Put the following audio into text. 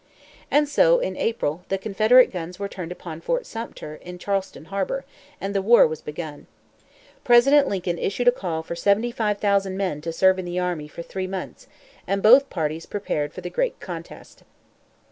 And so, in April, the Confederate guns were turned upon Fort Sumter in Charleston harbor, and the war was begun. President Lincoln issued a call for 75,000 men to serve in the army for three months; and both parties prepared for the great contest.